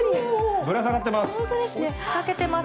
ぶら下がってます。